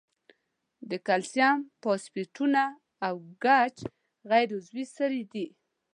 د کلسیم فاسفیټونه او ګچ غیر عضوي سرې دي.